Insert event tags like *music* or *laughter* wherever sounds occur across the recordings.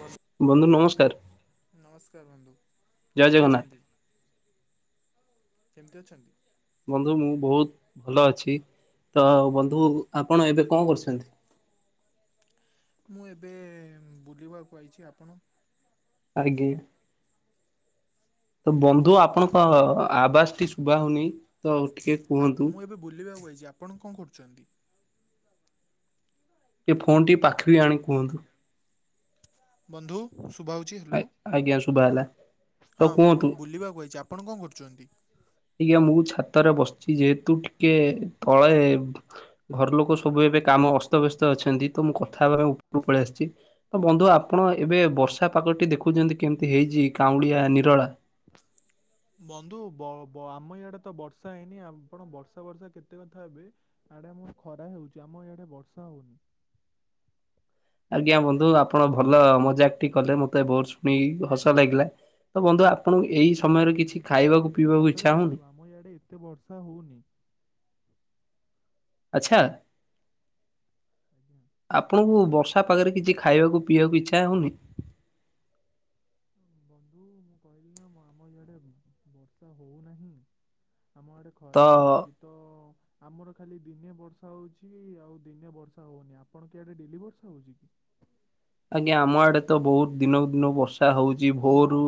ବନ୍ଦ। ବନ୍ଧୁ ନମସ୍କାର। ନମସ୍କାର ବନ୍ଧୁ ଜୟ କେମିତି ଜଗନ୍ନାଥ ଅଛନ୍ତି? କେମିତି ଅଛନ୍ତି? ବନ୍ଧୁ ମୁଁ ବହୁତ ଭଲ ଅଛି ତ ବନ୍ଧୁ ଆପଣ ଏବେ କଣ କରୁଚନ୍ତି? ମୁଁ ଏବେ ବୁଲିବାକୁ ଆଇଚି ଆପଣ ଆଜ୍ଞା। ତ ବନ୍ଧୁ ଆପଣଙ୍କ ଆବାସ ଟି ଶୁଭା ହଉନି ତ ଟିକେ କୁହନ୍ତୁ ମୁଁ ଏବେ ବୁଲିବାକୁ ଆଇଚି ଆପଣ କଣ କରୁଛନ୍ତି? ଏ ଫୋନ୍ ଟି ପାଖ ରେ ଆଣି କୁହନ୍ତୁ। ବନ୍ଧୁ ଶୁଭା ହଉଛି ହାଲୋ ଆଜ୍ଞା ଶୁଭା ହେଲା। ତ ହଁ କୁହନ୍ତୁ ମୁଁ ବୁଲିବା କୁ ଆଇଚି ଆ ପଣ କଣ କରୁଚନ୍ତି? ଆଜ୍ଞା ମୁଁ ଛାତରେ ବସିଛି ଯେହେତୁ ଟିକେ ତଳେ ଘର ଲୋକ ସବୁ ଏବେ କାମ ଅସ୍ତବ୍ୟସ୍ତ ଅଛନ୍ତି ତ ମୁଁ କଥା ହେବା ପାଇଁ ଉପରକୁ ପଳେଇ ଆସିଛି। ତ ବନ୍ଧୁ ଆପଣ ଏବେ ବର୍ଷା ପାଗଟି ଦେଖୁଛନ୍ତି କେମିତି ହେଇଛି କାଉଁଳିଆ ନିରଳା ବନ୍ଧୁ ବ ବ ଆମ ଇଆଡେ ତ ବର୍ଷା ହେଇନି ଆପଣ ବର୍ଷା ବର୍ଷା କେତେ କଥା ହେବେ? ଆଡେ ଆମର ଖରା ହଉଛି ଆମ ଇଆଡେ ବର୍ଷା ହଉନି। ଆଜ୍ଞା ବନ୍ଧୁ ଆପଣ ଭଲ ମଜାକଟି କଲେ ମତେ ବହୁତ ଶୁଣି ହସ ଲାଗିଲା। ତ ବନ୍ଧୁ ଆପଣଙ୍କୁ ଏଇ ହସ ସମୟରେ ଲାଗିଲାନି କିଛି ସତରେ ଖାଇବାକୁ ପିଇବାକୁ ସତରେ ଇଚ୍ଛା ବନ୍ଧୁ ହଉନି? ଆମ ଇଆଡ଼େ ଏତେ ବର୍ଷା ହଉନି। ଆଚ୍ଛା। ଆଜ୍ଞା। ଆପଣଙ୍କୁ ବର୍ଷା ପାଖରେ କିଛି ଖାଇବାକୁ ପିଇବାକୁ ଇଚ୍ଛା ହଉନି? ବନ୍ଧୁ ମୁଁ କହିଲି ନା ଆମ ଆଡେ ବର୍ଷା ହଉନାହିଁ। ଆମ ଆଡେ ତ ଖରା ହିଁ ହଉଛି ତ ଆମର ଖାଲି ଦିନେ ବର୍ଷା ହଉଛି ଆଉ ଦିନେ ବର୍ଷା ହଉନି ଆପଣଙ୍କ ଆଡେ ଡେଲି ବର୍ଷା ହଉଛି କି? ଆଜ୍ଞା ଆମ ଆଡେ ତ ବହୁତ ଦିନକୁ ଦିନ ବର୍ଷା ହଉଛି ନା ଭୋରରୁ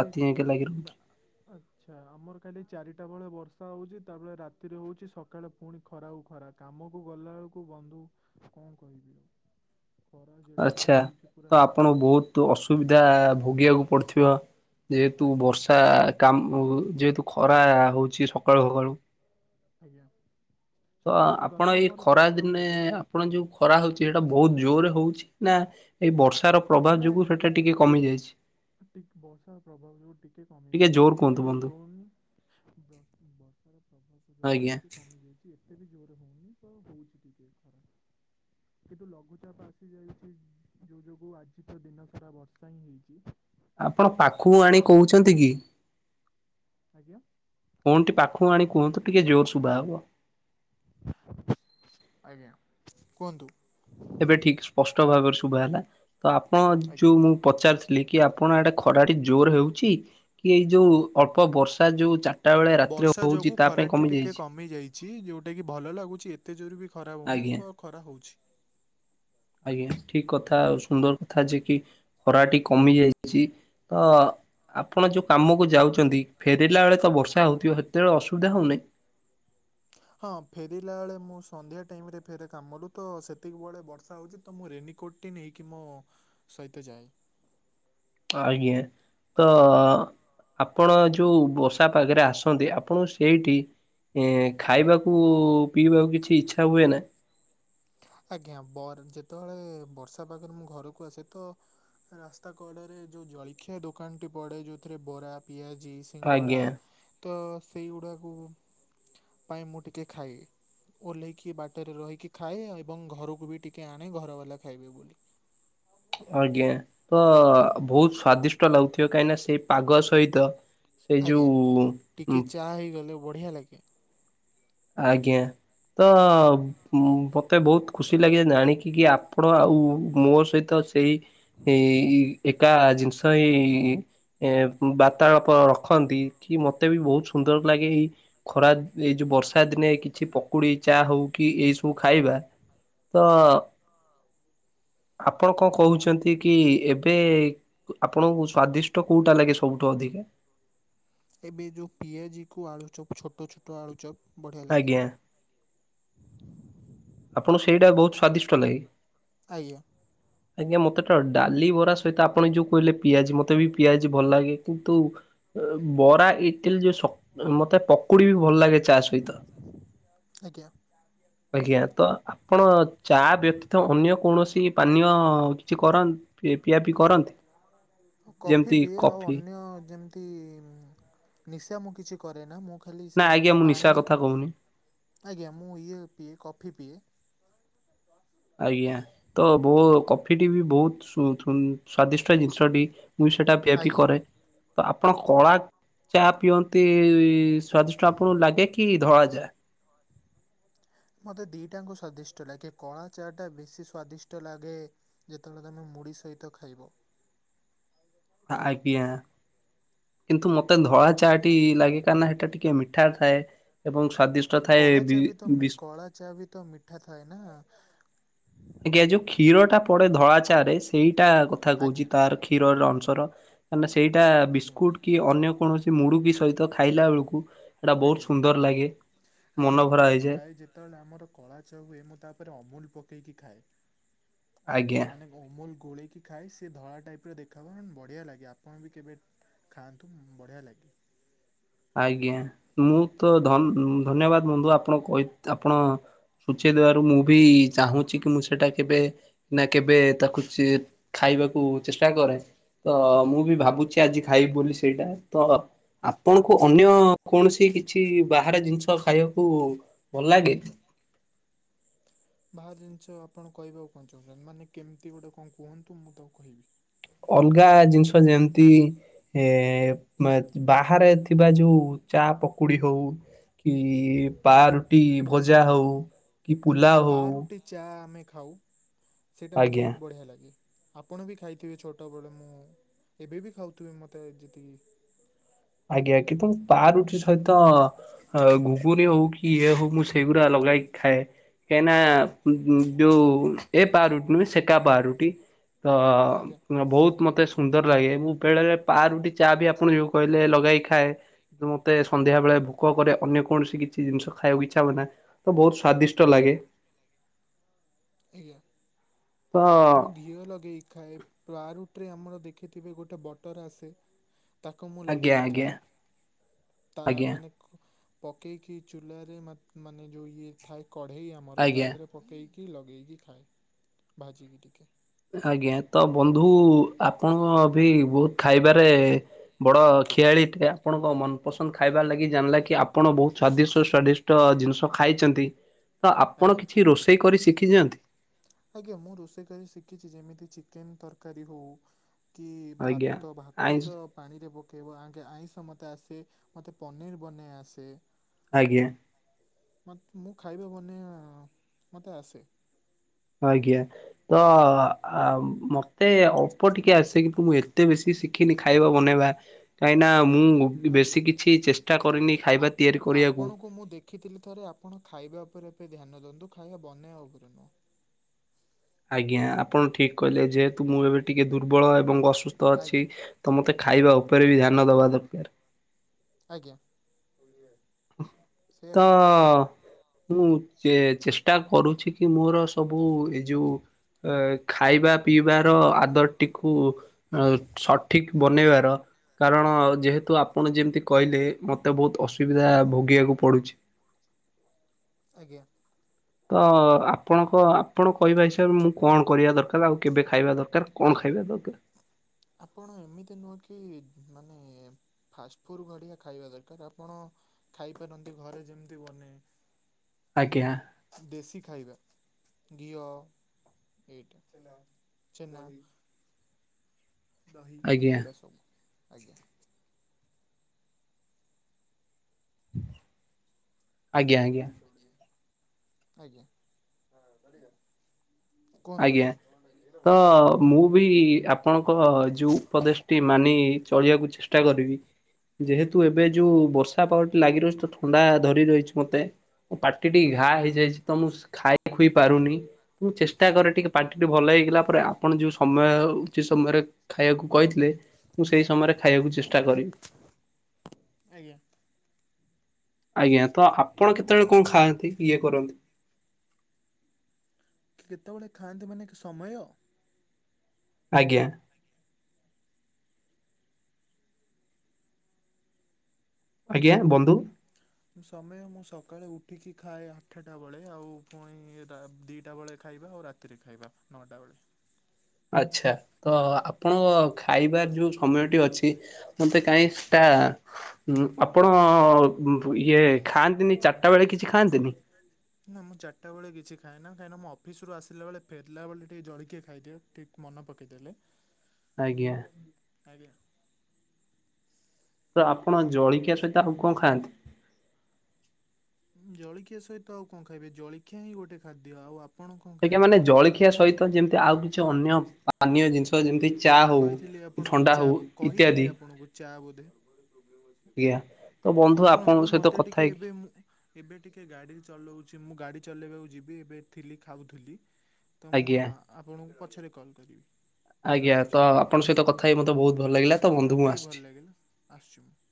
ରାତି ଯାଇକେ ଲାଗି ରହୁଛି। ଆଚ୍ଛା। ଆଚ୍ଛା ଆମର କାଲି ଚାରିଟା ବେଳେ ବର୍ଷା ହେଉଛି ତାପରେ ରାତିରେ ହେଉଛି ସକାଳେ ପୁଣି ଖରାଉ ଖରା। କାମକୁ ଗଲା ବେଳକୁ ବନ୍ଧୁ କଣ କହିବି ଆଉ। ହ ଖରା ଯେଡେ ଜୋର ଆଚ୍ଛା ହଉଛି ପୁରା ତ ଆପଣଙ୍କୁ ବହୁତ ଅସୁବିଧା ଭୋଗିବାକୁ ପଡିଥିବ? ଯେହେତୁ ଆଜ୍ଞା ବର୍ଷା କାମ ଯେହେତୁ ଖରା ହଉଛି ସକାଳୁ ସକାଳୁ ଆଜ୍ଞା ତ ସକାଳୁ ସକାଳୁ ଆପଣ ନୁହଁ ଏଇ ଆମର ଖରା ଚାରିଟା ଦିନେ ବେଳେ ସ- ଆପଣ ଯୋଉ ଆଜ୍ଞା ଖରା ହଉଛି ସେଟା ବହୁତ ଜୋରରେ ହଉଛି ନା ଏଇ ବର୍ଷାର ପ୍ରଭାବ ଯୋଗୁ ନାଇଁ ସେଟା ଟିକେ କମି ଯାଇଛି? ବର୍ଷା ପ୍ରଭାବ ଯୋଗୁ ଟିକେ କମି ଯାଇଛି ଜୋର ଏତେ ବି କୁହନ୍ତୁ ବନ୍ଧୁ ଜୋର ହଉନି। ବର୍ଷାର ପ୍ରଭାବ ଯୋଗୁ ଆଜ୍ଞା। ଟିକେ କମି ଯାଇଛି। ଏତେ ବି ଜୋରରେ ହଉନି ତ ହଉଛି ଟିକେ ଖରା। କିନ୍ତୁ ଲଘୁଚାପ ଆସି ଯାଇଛି ଯୋଉ ଯୋଗୁଁ ଆଜି ନିଶିତ ଦିନ ସାରା ବର୍ଷା ହିଁ ହେଇଛି। ଆପଣ ପାଖକୁ ଆଣି କହୁଛନ୍ତି କି? ଆଜ୍ଞା? ଫୋନ୍ ଟି ପାଖକୁ ଆଣି କୁହନ୍ତୁ ଟିକେ ଜୋର ଶୁଭା ହବ। ଆଜ୍ଞା କୁହନ୍ତୁ। ଏବେ ଠିକ ସ୍ପଷ୍ଟ ଭାବରେ ଶୁଭ ହେଲା ତ ଆପଣ ଆଜ୍ଞା ଯୋଉ ମୁଁ ପଚାରୁିଥିଲି କି ଆପଣ ଏଇଟେ ଖରାଟି ଜୋର ହେଉଛି କି ଏଇ ଯୋଉ ଅଳ୍ପ ବର୍ଷା ଯୋଉ ଚା ବର୍ଷା ଯୋଗୁଁ ଖରାଟି ଟିକେ କମି ଯାଇଛି ଯୋଉଟା କିି ଭଲ ଲାଗୁଛି ଏତେ ଜୋରେ ବି ଖରା ହଉନି ଆଜ୍ଞା। ପ ଖରା ହଉଛି। ଆଜ୍ଞା ଠିକ୍ କଥା ଆଉ ସୁନ୍ଦର କଥା ଯେ କି ଖରାଟି କମି ଯାଇଚି। ତ ଆପଣ ଯୋଉ କାମକୁ ଯାଉଚନ୍ତି ଫେରିଲା ବେଳେ। ତ ବର୍ଷା ହଉଥିବ ହେତବେଳେ ଅସୁବିଧା ହଉନେ। ହଁ ଫେରିଲା ବେଳେ ମୁଁ ସନ୍ଧ୍ୟା ଟାଇମ୍ ରେ ଫେରେ କାମରୁ ତ ସେତିକି ବେଳେ ବର୍ଷା ହଉଚି। ତ ମୁଁ ରେନିକୋଟ୍ ଟେ ନେଇକି ମୋ ସହିତ ଯାଏ। ଆଜ୍ଞା ତ। ଆପଣ ଯୋଉ ବର୍ଷା ପାଗରେ ଆସନ୍ତି ଆପଣ ସେଇଠି। ଏ ଖାଇବାକୁ ପିଇବାକୁ କିଛି ଇଚ୍ଛା ହୁଏ ନା? ଆଜ୍ଞା ବର ଯେତବଳେ ବର୍ଷା ପାଗରେ ମୁଁ ଘରକୁ ଆସେ ତ। ରାସ୍ତା କଡରେ ଯୋଉ ଜଳିଖିଆ ଦୋକାନ ଟି ପଡେ ଯୋଉଥିରେ ବରା ପିଆଜି। ସିଙ୍ଗଡ଼ା ଆଜ୍ଞା ତ ସେଇଗୁଡ଼ାକୁ। ପାଇଁ ମୁଁ ଟିକେ ଖାଏ ଓହ୍ଲେଇକି ବାଟରେ ରହିକି ଖାଏ।। ଏବଂ ଘରୁକୁ ବି ଟିକେ ଆଣେ ଘର ବାଲା ଖାଇବେ ବୋଲି। ଆଜ୍ଞା ତ ବହୁତ ସ୍ଵାଦିଷ୍ଟ ଲାଗୁଥିବ କାହିଁକି ନା ସେଇ ପାଗ ସହିତ। ସେଇ ଯୋଉ ଉଁ। ତାହା ହେଇଗଲେ ବଢିଆ ଲାଗେ। ଆଜ୍ଞା। ତ ମୁଁ ମତେ ବହୁତ ଖୁସି ଲାଗେ ଜାଣିକିକି ଆପଣ ଆଉ ମୋ ସହିତ। ତ ସେଇ ଏକା ଜିନିଷ ଏଇ। ଏ ବାର୍ତ୍ତାଳାପ ରଖନ୍ତି କି ମତେ ବି ବହୁତ ସୁନ୍ଦର ଲାଗେ ଏଇ। ଖରା ଏଇ ଯୋଉ ବର୍ଷା। ଖରାଦିନେ କିଛି ପକୁଡି ଚା ହଉ କି ଏଇ ସବୁ ଖାଇବା ତ। ଆପଣ କଣ କହୁଛନ୍ତି କି ଏବେ। ଆପଣଙ୍କୁ ସ୍ଵାଦିଷ୍ଟ କୋଉଟା ଲାଗେ ସବୁଠୁ ଅଧିକା। ଏବେ ଯୋଉ ପିଆଜିକୁ ଆଳୁଚପ୍ ଛୋଟ ଛୋଟ ଆଳୁଚପ୍ ବଢ଼ିଆ ଲାଗେ। ଆଜ୍ଞା ଆପଣଙ୍କୁ ସେଇଟା ବହୁତ ସ୍ଵାଦିଷ୍ଟ ଲାଗେ। ଆଜ୍ଞା। ଆଜ୍ଞା ମତେ ତ ଡାଲି ବରା ସହିତ ଆପଣ ଯୋଉ କହିଲେ ପିଆଜି ମତେ ବି ପିଆଜି ଭଲ ଲାଗେ। କିନ୍ତୁ ଅ ବରା ଇଟିଲ ଯୋଉ ସ ମତେ ପକୁଡି ବି ଭଲ ଲାଗେ। ଚା ସହିତ ଆଜ୍ଞା। ଆଜ୍ଞା। ତ ଆପଣ ଚା ବ୍ୟତୀତ ଅନ୍ୟ କୌଣସି ପାନୀୟ କିଛି କରନ୍? ପି ପିଆପିଇ କରନ୍? ମୁଁ କଫି ପିଏ ଆଉ ଅନ୍ୟ ଯେ ତି ନିଶା ମୁଁ କିଛି କରେନା ମୁଁ ଖାଲି ନା ସେ ଆଜ୍ଞା ମୁଁ ପାଣି। ନିଶା କଥା କହୁନି ଆଜ୍ଞା ମୁଁ ଏଇଆ ପିଏ କଫି ପିଏ। ଆଜ୍ଞା ତ ବ କଫି ଟି ବି ବହୁତ୍ ସୁ ସୁ ସ୍ଵାଦିଷ୍ଟ ଜିନିଷଟି। ମୁଁ ସେଟା ପିୟାପିଇ ଆଜ୍ଞା କରେ। ତ ଆପଣ କଳା ଚା ପିଅନ୍ତି ସ୍ଵାଦିଷ୍ଟ ଆପଣଙ୍କୁ ଲାଗେ କି ଧଳା ଚା? *inaudible* ମତେ ଦିଟାଙ୍କ ସ୍ଵାଦିଷ୍ଟ ଲାଗେ କଳା ଚା ଟା ବେଶି ସ୍ଵାଦିଷ୍ଟ ଲାଗେ। ଯେତବଳେ ତମେ ମୁଢି ସହିତ ଖାଇବ। ଆ ଆଜ୍ଞା। କିନ୍ତୁ ମତେ ଧଳା ଚା ଟି ଲାଗେ କାହିଁ ନା ହେଟା ଟିକେ ମିଠା ଥାଏ। ଏବଂ ସ୍ଵାଦିଷ୍ଟ ଥାଏ କଳା ବି ଚା ତ ମି ବିଶ୍ କଳା ଚା ବି ତ ମିଠା ଥାଏ ନା। ଆଜ୍ଞା ଯୋଉ କ୍ଷୀର ଟା ପଡେ ଧଳା ଚା ରେ ସେଇଟା କଥା କହୁଛି ଆଜ୍ଞା ତାର କ୍ଷୀରର ଅଂଶର କା ନା ସେଇଟା ଆଜ୍ଞା ବିସ୍କୁଟ କି ଅନ୍ୟ କୌଣସି ମୁଡୁ କିି ସହିତ ଖାଇଲା ବେଳକୁ ସେଟା ବହୁତ ଆଜ୍ଞା ସୁନ୍ଦର ଲାଗେ ଆଜ୍ଞା ମନ ମୁଁ ଭରା ବି ହେଇଯାଇ। ଖାଏ ଯେତେବେଳେ ଆମର କଳା ଚା ହୁଏ ମୁଁ ତାପରେ ଅମୁଲ ପକେଇକି ଖାଏ। ଆଜ୍ଞା। ମାନେ ଅମୁଲ ଗୋଳେଇକି ଖାଏ ସେ ଧଳା ଟାଇପ୍ କର ଦେଖାବ ବଢ଼ିଆ ଲାଗେ ଆପଣ ବି କେବେ ଖାଆନ୍ତୁ ବଢ଼ିଆ ଲାଗେ। ଆଜ୍ଞା ମୁଁ ତ ଧନ ଧନ୍ୟବାଦ ବନ୍ଧୁ ଆପଣ କହିତ ଆପଣ ସୂଚେଇ ଦେବାରୁ ମୁଁ ବି ଚାହୁଁଛି କି ମୁଁ ସେଇଟା କେବେ ନା କେବେ ତାକୁ ଖାଇବାକୁ ଚେଷ୍ଟା କରେ ତ ଆଜ୍ଞା। ମୁଁ ବି ଭାବୁଛି। କି ଆଜି ଖାଇବି ବୋଲି ସେଇଟା ତ ଆପଣଙ୍କୁ ଅନ୍ୟ କୌଣସି କିଛି ବାହାରେ ଜିନିଷ ଖାଇବାକୁ ଭଲ ଲାଗେ। *unintelligible* ବାହାର ଜିନିଷ ଆପଣ କହିବାକୁ କଣ ଚାହୁଁଛନ୍ତି ମାନେ କେମିତି ଗୋଟେ କଣ କୁହନ୍ତୁ ମୁଁ ତାକୁ କହିବି। ଅଲଗା ଜିନିଷ ଯେମିତି ଏ ବାହାରେ ଥିବା ଯୋଉ ଚା ପକୁଡି ହଉ। କି ପାରୁଟି ଭଜା ହଉ। କି ପୁଲାଉ ହଉ ପାରୁଟି ଚା ଆମେ ଖାଉ ସେଇଟା ଆଜ୍ଞା। ବହୁତ ବଢ଼ିଆ ଲାଗେ। ଆପଣ ବି ଖାଇଥିବେ ଛୋଟବେଳେ ମୁଁ ଏବେ ବି ଖାଉଥିବେ ମତେ ଯେତିକି ଆଜ୍ଞା କିନ୍ତୁ ପାରୁଟି ସହିତ ଅ ଘୁଗୁନି ହଉ କି ଇଏ ହଉ ମୁଁ ସେଇଗୁଡା ଲଗାଇକି ଖାଏ। କାହିଁକିନା ଯୋଉ ଏ ପାରୁଟି ନୁହେଁ ସେକା ପାରୁଟି। ଆଜ୍ଞା ତ ବହୁତ ମତେ ସୁନ୍ଦର ଲାଗେ ଏବଂ ବେଳେଳେ ପାରୁଟି ଚା ବି ଆପଣ ଯୋଉ କହିଲେ। ଲଗାଇ ଖାଏ କିନ୍ତୁ ମତେ ସନ୍ଧ୍ୟା ବେଳେ ଭୋକ କରେ ଅନ୍ୟ କୌଣସି କିଛି ଜିନିଷ ଖାଇବାକୁ ଇଚ୍ଛା ହୁଏନା। ତ ବହୁତ୍ ସ୍ଵାଦିଷ୍ଟ ଲାଗେ। ଆଜ୍ଞା। ତ ମୁଁ ଘିଅ ଲଗେଇ ଖାଏ ପାରୁଟି ରେ ଆମର ଦେଖିଥିବେ ଗୋଟେ ବଟର ଆସେ। ତାକୁ ମୁଁ ଆଜ୍ଞା ଲଗେଇି ଆଜ୍ଞା ଖାଏ ତା ଆଜ୍ଞା ମାନେ ପକେଇକି ଚୁଲାରେ ମାନେ ଯଉ ଇଏ ଥାଏ କଢ଼େଇ ଆମର ତା ଆଜ୍ଞା। ଦେହରେ। ପକଇକି ଲଗେଇକି ଖାଏ ଭାଜିକି ଟିକେ। ଆଜ୍ଞା ତ ବନ୍ଧୁ ଆପଣ ବି ବହୁତ୍ ଖାଇବାରେ। ବଡ ଖୀଆଳି ଟେ ଆପଣଙ୍କ ମନପସନ୍ଦ ଖାଇବା ଲାଗି ଜାଣିଲା କି ଆପଣ ବହୁତ୍ ସ୍ଵାଦିଷ୍ଟ ସ୍ଵାଦି ଷ୍ଟ ଜିନିଷ ଖାଇଚନ୍ତି ତ ଆପଣ ଆଜ୍ଞା କିଛି ରୋଷେଇ କରି ଶିଖିଚନ୍ତି। ଆଜ୍ଞା ମୁଁ ରୋଷେଇ କରି ଶିଖିଛି ଯେମିତି ଚିକେନ ତରକାରୀ ହଉ। କି ଆଜ୍ଞା ଭାତ ଭାତ ଆଇଁଷ ତ ପାଣି ରେ ପକେଇବ ଆଙ୍କେ ଆଇଁଷ ମତେ ଆସେ ମତେ ପନିରି ବନେଇ ଆସେ। ଆଜ୍ଞା। ମତେ ମୁଁ ଖାଇବା ବନେଆ ମତେ ଆସେ। ଆଜ୍ଞା ତ ମତେ ଅଳ୍ପ ଟିକେ ଆସେ କିନ୍ତୁ ମୁଁ ଏତେ ବେଶୀ ଶିଖି ଖିନି ଖାଇବା ବନେଇବା। କାହିଁନା ମୁଁ ଆଜ୍ଞା ବେଶୀ କିଛି ଚେଷ୍ଟା କରିନି ଖାଇବା ତିଆରି କରିବାକୁ। ରଖିଥିଲି ଥରେ ଆପଣ ଖାଇବା ଉପରେ ଏବେ ଧ୍ୟାନ ଦିଅନ୍ତୁ ଖାଇବା ବନେଇବା ଉପରେ ନୁହଁ। ଆଜ୍ଞା ଆପଣ ଠିକ୍ କହିଲେ ଯେହେତୁ ମୁଁ ଏବେ ଟିକିଏ ଦୁର୍ବଳ ଏବଂ ଅସୁ ତ ଅଛି ଆଜ୍ଞା ତ ମତେ ଖାଇବା ଉପରେ ବି ଧ୍ୟାନ ଦବା ଦରକାର। ଆଜ୍ଞା ସେଇଆ ତ କହୁଥିଲି ମୁଁ ଚେ ଚେଷ୍ଟା କରୁଛି କି ମୋର ସବୁ ଏ ଯୋଉ ଏ ଖାଇବା ପିଇବାର ଆଦରଟିକୁ ସଠିକ୍ ବନେଇବାର। କାରଣ ଯେହେତୁ ଆପଣ ଯେମିତି କହିଲେ ମୋତେ ବହୁତ ଅସୁବିଧା ଭୋଗିବାକୁ ପଡ଼ୁଛି। ଆଜ୍ଞା ତ ଆପଣଙ୍କ ଆପଣ କହିବା ହିସାବରେ ମୁଁ କଣ କରିବା ଦରକାର ଆଉ କେବେ ଖାଇବା ଦରକାର କଣ ଖାଇବା ଦରକାର? ଆପଣ ଏମିତି ନୁହେଁ କି ମାନେ ଫାଷ୍ଟଫୁଡ ଗଡିଆ ଖାଇବା ଦରକାର ଆପଣ ଖାଇପାରନ୍ତି ଘରେ ଯେମିତି ବନେଇ। ଆଜ୍ଞା ଦେଶୀ ଖାଇବା ଘିଅ ଏଇଟା ଛେନା ଛେନା। ଦହି ଆଜ୍ଞା ଏଗୁଡ଼ା ସବୁ ଆଜ୍ଞା। ହୁ। ଆଜ୍ଞା ଆଜ୍ଞା କୁହନ୍ତୁ ଆଜ୍ଞା? ତ ମୁଁ ବି ଆପଣଙ୍କ ଯୋଉ ଉପଦେଶଟି ମାନି ଚଳିବାକୁ ଚେ ଚେଷ୍ଟା କରିବି। ଯେହେତୁ ଏବେ ଯୋଉ ବର୍ଷା ପାାଗଟି ଲାଗି ରହୁଛି ତ ଥଣ୍ଡା ଧରି ରହିଛି ମତେ। ପାଟି ଟିକେ ଘା ହେଇଯାଇଛି ତ ମୁଁ ଖାଇ ଖୁଇ ପାରୁନି। ଚେଷ୍ଟା କରେ ଟିକେ ପାଟିଟି ଭଲ ହେଇଗଲା ପରେ ଆପଣ ଯୋଉ ସମୟ ଉଚିତ ସମୟରେ ଖାଇବାକୁ କହିଥିଲେ। ମୁଁ ସେଇ ସମୟରେ ଖାଇବାକୁ ଚେଷ୍ଟା କରିବି। ଆଜ୍ଞା ଆଜ୍ଞା ତ ଆପଣ କେତେବେଳେ କଣ ଖାଆନ୍ତି ଇଏ କରନ୍ତି? କେତେବେଳେ ଖାଆନ୍ତି ମାନେ ସମୟ? ଆଜ୍ଞା ଆଜ୍ଞା ବନ୍ଧୁ। ସମୟ ମୁଁ ସକାଳେ ଉଠିକି ଖାଏ ଆଠେଟା ବେଳେ ଆଉ ପୁଣି ଏଟା ଦିଟା ବେଳେ ଖାଇବା ଆଉ ରା ରାତିରେ ଖାଇବା ନଅଟା ବେଳେ। ଆଛା ତ ଆପଣଙ୍କ ଖାଇବା ଯୋଉ ସମୟଟି ଅଛି ଇ ମତେ କାଇଁ ସେଟା ହୁଁ ଆପଣ ଉଫୁ ଇଏ ଖାଆନ୍ତିନି ଚାରିଟା ବେଳେ କିଛି ଖାଆନ୍ତିନି? ନା ମୁଁ ଚାରିଟା ବଳେ କିଛି ଖାଏ ନା କାହିଁକି ନା ମୁଁ ଅଫିସରୁ ଆସିଲା ବେଳେ ଫେରିଲା ବେଳେ ଟିକେ ଜଳିଖିଆ ଖାଇଦି‌ଏ। ଠିକ୍ ମନ ପକେଇଦେଲେ। ଆଜ୍ଞା ଆଜ୍ଞା ତ ଆପଣ ଜଳଖିଆ ସହିତ ଆଉ କଣ ଖାଆନ୍ତି? ଉଁ ଜଳିଖିଆ ସହିତ ଆଉ କଣ ଖାଇବି ଜଳିଖିଆ ହିଁ ଗୋଟେ ଖାଦ୍ୟ ଆଉ ଆ ଆଜ୍ଞା ମାନେ ଜଳିଖିଆ ସହିତ ଯେମିତି ଆଉ କିଛି ଅନ୍ୟ ପାନୀୟ ଜିନିଷ ତ ଯେମିତି ଚା ହଉ କହିଥିଲି ଆପଣଙ୍କୁ ଥଣ୍ଡା ଚା ହଉ କହିଥିଲି ଇତ୍ୟାଦି। ଆପଣଙ୍କୁ ଚା ବୋଧେ ଇଆ ଶୁଣନ୍ତୁ ମତେ ଟିକେ ଏବେ ମୁଁ ଏବେ ଟିକେ ଗାଡି ଚଲଉଛି ମୁଁ ଗାଡି ଚଲେଇବାକୁ ଯିବି। ଏବେ ଥିଲି ଖାଉଥିଲି। ମୁଁଆ ଆଜ୍ଞା। ଆପଣଙ୍କୁ ପଛରେ କଲ୍ କରିବି। ଆଜ୍ଞା ରଖୁଛି ତ ଆପଣଙ୍କ ସହିତ କଥାଇ ମତେ ବହୁତ୍ ଭଲ ଲାଗିଲା ତ ବନ୍ଧୁ ମୁଁ ଆସିଛି। *inaudible* ଆସୁଛି ମୁଁ।